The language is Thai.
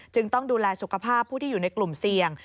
ต้องดูแลสุขภาพผู้ที่อยู่ในกลุ่มเสี่ยง